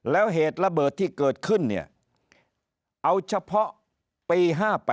แล้วเหตุระเบิดที่เกิดขึ้นเนี่ยเอาเฉพาะปี๕๘